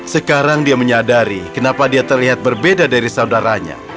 sekarang dia menyadari kenapa dia terlihat berbeda dari saudaranya